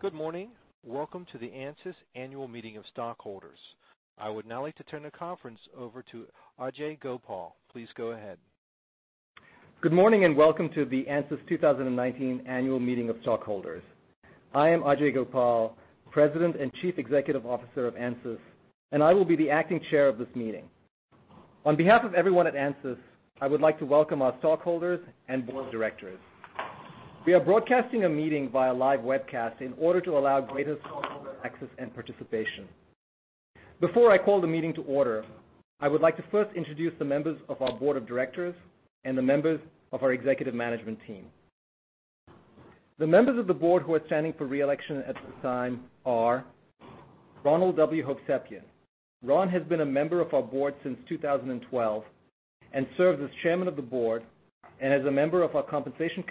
Good morning. Welcome to the ANSYS Annual Meeting of Stockholders. I would now like to turn the conference over to Ajei Gopal. Please go ahead. Good morning. Welcome to the ANSYS 2019 Annual Meeting of Stockholders. I am Ajei Gopal, President and Chief Executive Officer of ANSYS, and I will be the acting chair of this meeting. On behalf of everyone at ANSYS, I would like to welcome our stockholders and Board of Directors. We are broadcasting a meeting via live webcast in order to allow greater stockholder access and participation. Before I call the meeting to order, I would like to first introduce the members of our Board of Directors and the members of our executive management team. The members of the board who are standing for re-election at this time are Ronald W. Hovsepian. Ron has been a member of our board since 2012 and serves as Chairman of the Board and as a member of our Compensation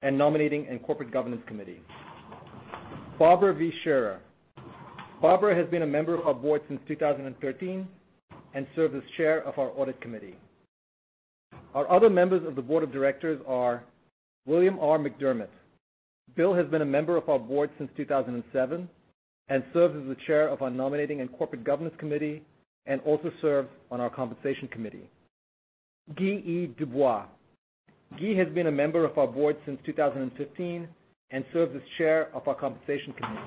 Committee and Nominating and Corporate Governance Committee. Barbara V. Scherer. Barbara has been a member of our board since 2013 and serves as Chair of our Audit Committee. Our other members of the Board of Directors are William R. McDermott. Bill has been a member of our board since 2007 and serves as the Chair of our Nominating and Corporate Governance Committee and also serves on our Compensation Committee. Guy E. Dubois. Guy has been a member of our board since 2015 and serves as Chair of our Compensation Committee.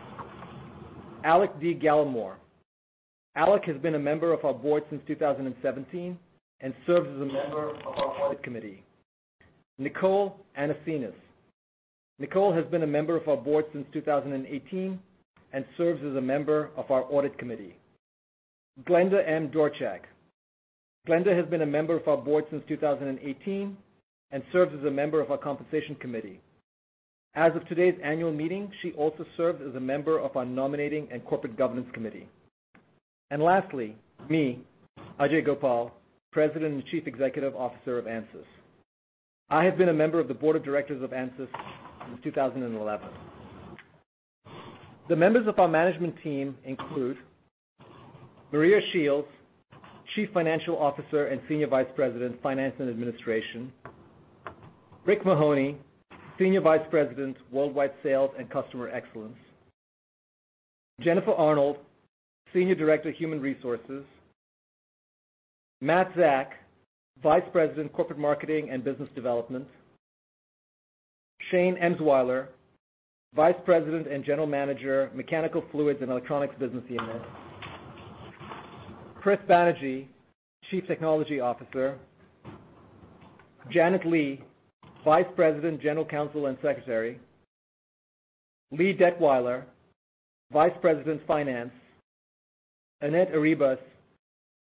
Alec D. Gallimore. Alec has been a member of our board since 2017 and serves as a member of our Audit Committee. Nicole Anasenes. Nicole has been a member of our board since 2018 and serves as a member of our Audit Committee. Glenda M. Dorchak. Glenda has been a member of our board since 2018 and serves as a member of our Compensation Committee. As of today's annual meeting, she also serves as a member of our Nominating and Corporate Governance Committee. Lastly, me, Ajei Gopal, President and Chief Executive Officer of ANSYS. I have been a member of the Board of Directors of ANSYS since 2011. The members of our management team include Maria Shields, Chief Financial Officer and Senior Vice President, Finance and Administration, Rick Mahoney, Senior Vice President, Worldwide Sales and Customer Excellence, Jennifer Arnold, Senior Director, Human Resources, Matt Zack, Vice President, Corporate Marketing and Business Development, Shane Emswiler, Vice President and General Manager, Mechanical Fluids and Electronics Business Unit, Prith Banerjee, Chief Technology Officer, Janet Lee, Vice President, General Counsel and Secretary, Lee Detwiler, Vice President of Finance, Annette Arribas,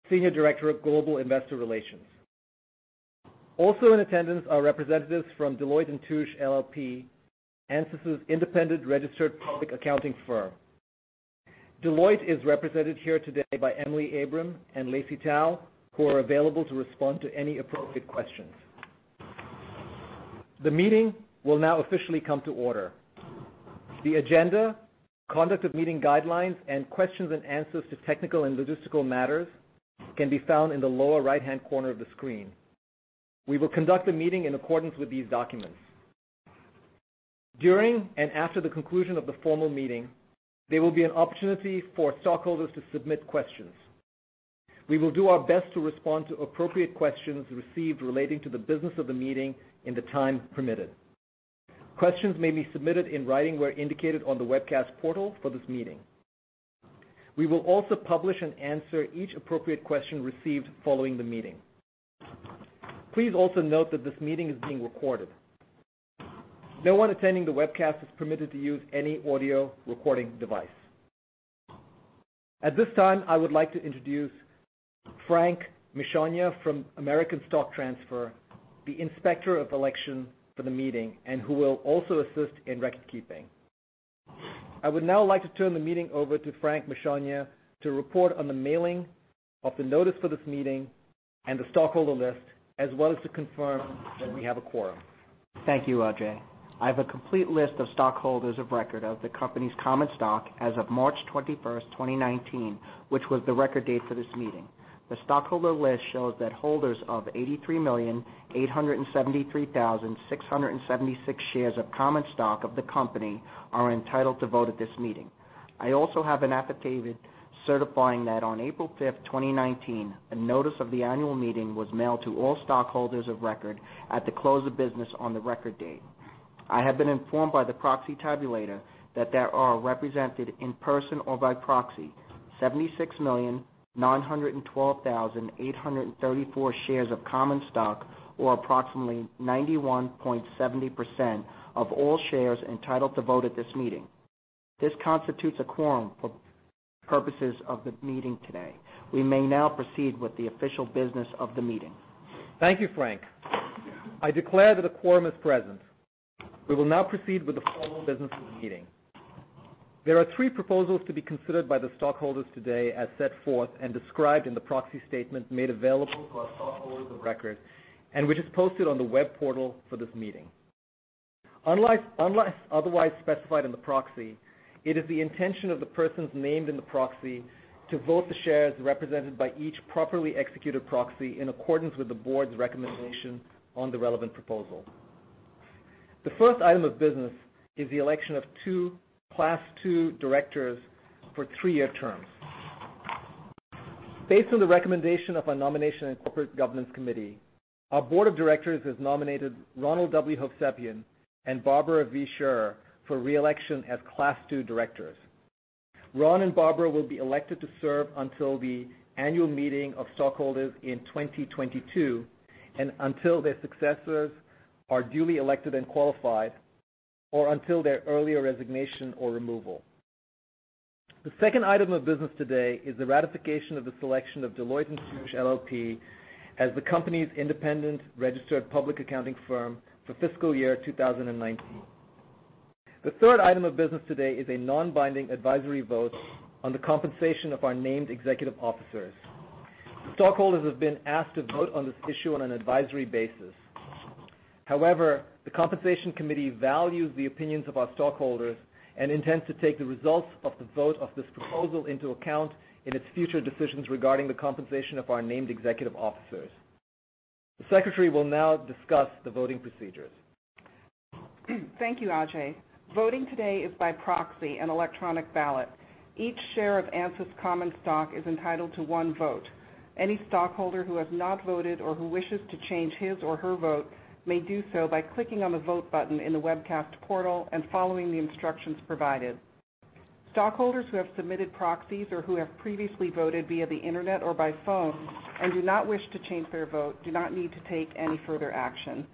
Senior Director of Global Investor Relations. Also in attendance are representatives from Deloitte & Touche LLP, ANSYS' independent registered public accounting firm. Deloitte is represented here today by Emily Abram and Lacey Tao, who are available to respond to any appropriate questions. The meeting will now officially come to order. The agenda, conduct of meeting guidelines, and questions and answers to technical and logistical matters can be found in the lower right-hand corner of the screen. We will conduct the meeting in accordance with these documents. During and after the conclusion of the formal meeting, there will be an opportunity for stockholders to submit questions. We will do our best to respond to appropriate questions received relating to the business of the meeting in the time permitted. Questions may be submitted in writing where indicated on the webcast portal for this meeting. We will also publish and answer each appropriate question received following the meeting. Please also note that this meeting is being recorded. No one attending the webcast is permitted to use any audio recording device. At this time, I would like to introduce Frank Mignoni from American Stock Transfer, the Inspector of Election for the meeting, and who will also assist in record-keeping. I would now like to turn the meeting over to Frank Mignoni to report on the mailing of the notice for this meeting and the stockholder list, as well as to confirm that we have a quorum. Thank you, Ajei. I have a complete list of stockholders of record of the company's common stock as of March 21st, 2019, which was the record date for this meeting. The stockholder list shows that holders of 83,873,676 shares of common stock of the company are entitled to vote at this meeting. I also have an affidavit certifying that on April 5th, 2019, a notice of the annual meeting was mailed to all stockholders of record at the close of business on the record date. I have been informed by the proxy tabulator that there are represented in person or by proxy 76,912,834 shares of common stock, or approximately 91.70% of all shares entitled to vote at this meeting. This constitutes a quorum for purposes of the meeting today. We may now proceed with the official business of the meeting. Thank you, Frank. I declare that a quorum is present. We will now proceed with the formal business of the meeting. There are three proposals to be considered by the stockholders today, as set forth and described in the proxy statement made available to our stockholders of record and which is posted on the web portal for this meeting. Unless otherwise specified in the proxy, it is the intention of the persons named in the proxy to vote the shares represented by each properly executed proxy in accordance with the board's recommendation on the relevant proposal. The first item of business is the election of two class 2 directors for three-year terms. Based on the recommendation of our nomination and corporate governance committee, our board of directors has nominated Ronald W. Hovsepian and Barbara V. Scherer for re-election as class 2 directors. Ron and Barbara will be elected to serve until the annual meeting of stockholders in 2022 and until their successors are duly elected and qualified, or until their earlier resignation or removal. The second item of business today is the ratification of the selection of Deloitte & Touche LLP as the company's independent registered public accounting firm for fiscal year 2019. The third item of business today is a non-binding advisory vote on the compensation of our named executive officers. The stockholders have been asked to vote on this issue on an advisory basis. However, the compensation committee values the opinions of our stockholders and intends to take the results of the vote of this proposal into account in its future decisions regarding the compensation of our named executive officers. The secretary will now discuss the voting procedures. Thank you, Ajei. Voting today is by proxy and electronic ballot. Each share of ANSYS common stock is entitled to one vote. Any stockholder who has not voted or who wishes to change his or her vote may do so by clicking on the Vote button in the webcast portal and following the instructions provided. Stockholders who have submitted proxies or who have previously voted via the internet or by phone and do not wish to change their vote do not need to take any further action.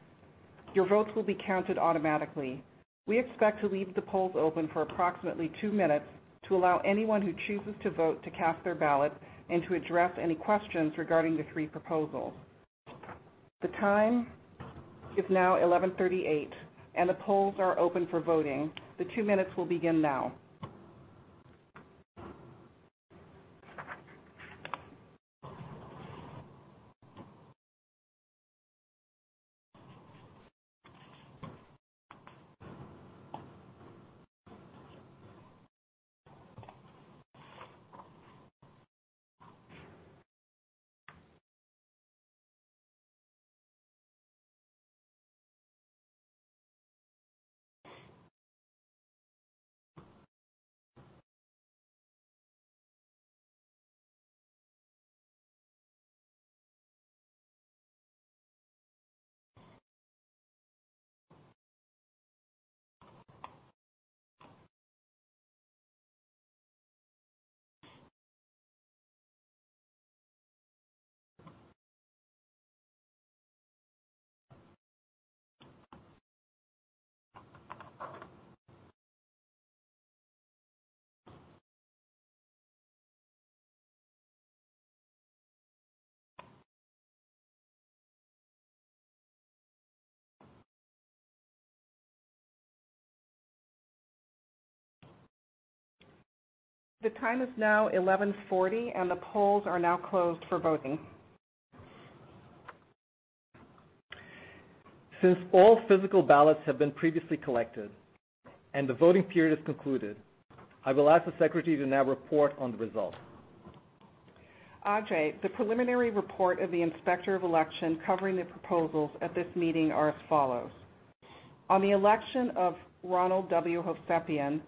Your votes will be counted automatically. We expect to leave the polls open for approximately two minutes to allow anyone who chooses to vote to cast their ballot and to address any questions regarding the three proposals. The time is now 11:38 A.M. and the polls are open for voting. The two minutes will begin now. The time is now 11:40 A.M. and the polls are now closed for voting. Since all physical ballots have been previously collected and the voting period is concluded, I will ask the secretary to now report on the results. Ajei, the preliminary report of the Inspector of Election covering the proposals at this meeting are as follows: on the election of Ronald W. Hovsepian,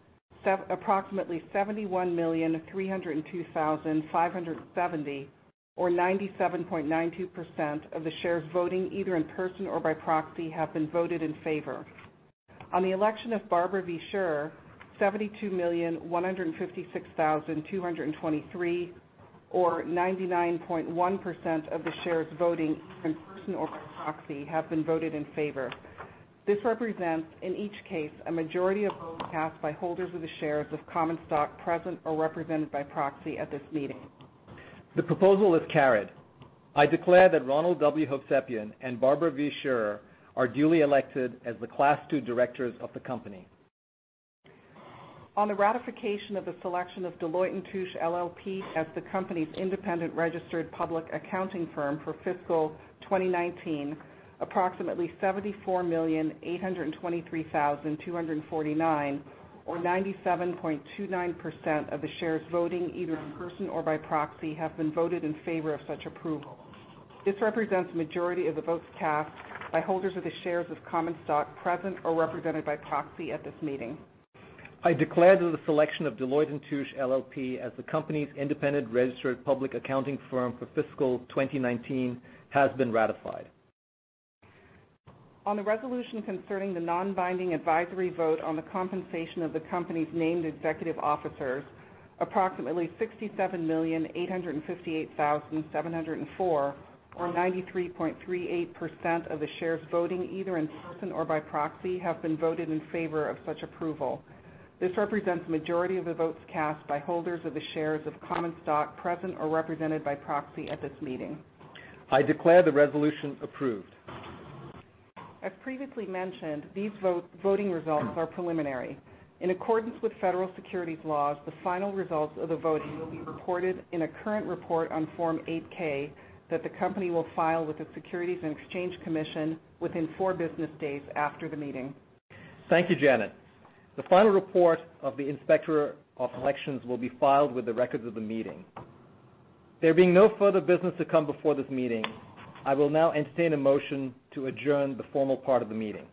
approximately 71,302,570 or 97.92% of the shares voting either in person or by proxy have been voted in favor. On the election of Barbara V. Scherer, 72,156,223 or 99.1% of the shares voting either in person or by proxy have been voted in favor. This represents, in each case, a majority of votes cast by holders of the shares of common stock present or represented by proxy at this meeting. The proposal is carried. I declare that Ronald W. Hovsepian and Barbara V. Scherer are duly elected as the class 2 directors of the company. On the ratification of the selection of Deloitte & Touche LLP as the company's independent registered public accounting firm for fiscal 2019, approximately 74,823,249 or 97.29% of the shares voting either in person or by proxy have been voted in favor of such approval. This represents a majority of the votes cast by holders of the shares of common stock present or represented by proxy at this meeting. I declare that the selection of Deloitte & Touche LLP as the company's independent registered public accounting firm for fiscal 2019 has been ratified. On the resolution concerning the non-binding advisory vote on the compensation of the company's named executive officers, approximately 67,858,704 or 93.38% of the shares voting either in person or by proxy have been voted in favor of such approval. This represents a majority of the votes cast by holders of the shares of common stock present or represented by proxy at this meeting. I declare the resolution approved. As previously mentioned, these voting results are preliminary. In accordance with federal securities laws, the final results of the voting will be reported in a current report on Form 8-K that the company will file with the Securities and Exchange Commission within four business days after the meeting. Thank you, Janet. The final report of the Inspector of Elections will be filed with the records of the meeting. There being no further business to come before this meeting, I will now entertain a motion to adjourn the formal part of the meeting.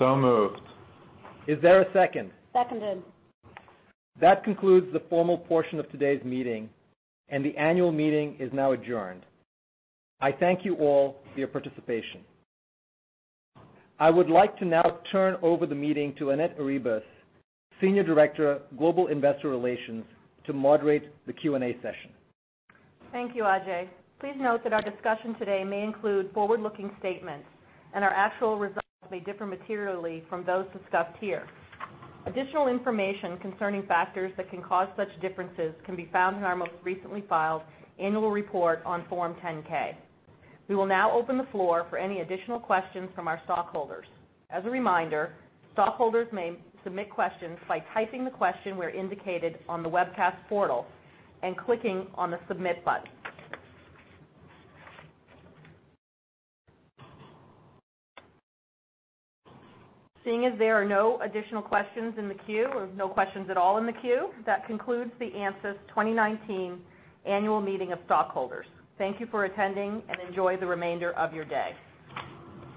Moved. Is there a second? Seconded. That concludes the formal portion of today's meeting, and the annual meeting is now adjourned. I thank you all for your participation. I would like to now turn over the meeting to Annette Arribas, Senior Director, Global Investor Relations, to moderate the Q&A session. Thank you, Ajei. Please note that our discussion today may include forward-looking statements and our actual results may differ materially from those discussed here. Additional information concerning factors that can cause such differences can be found in our most recently filed annual report on Form 10-K. We will now open the floor for any additional questions from our stockholders. As a reminder, stockholders may submit questions by typing the question where indicated on the webcast portal and clicking on the Submit button. Seeing as there are no additional questions in the queue or no questions at all in the queue, that concludes the ANSYS 2019 Annual Meeting of Stockholders. Thank you for attending and enjoy the remainder of your day.